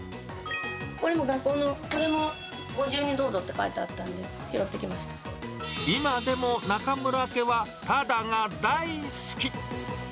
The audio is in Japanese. これも学校の、これもご自由にどうぞって書いてあったので、今でも中邑家はただが大好き。